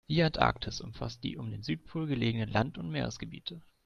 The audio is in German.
Die Antarktis umfasst die um den Südpol gelegenen Land- und Meeresgebiete.